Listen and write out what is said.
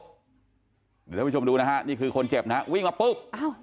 เดี๋ยวผู้ชมดูนะฮะนี่คือคนเจ็บนะฮะวิ่งมาปุ๊บ